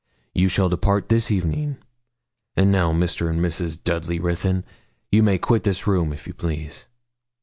You shall depart this evening: and now, Mr. and Mrs. Dudley Ruthyn, you may quit this room, if you please.'